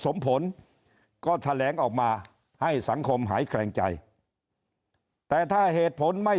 สมผลก็แถลงออกมาให้สังคมหายแคลงใจแต่ถ้าเหตุผลไม่